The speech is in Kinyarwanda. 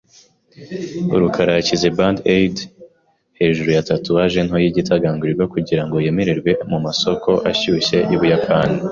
rukara yashyize Band-Aid hejuru ya tatouage nto yigitagangurirwa kugirango yemererwe mumasoko ashyushye yUbuyapani .